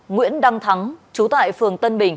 nguyễn đăng thắng trú tại phường tân bình